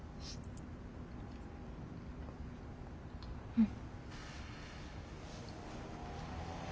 うん。